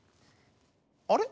あれ？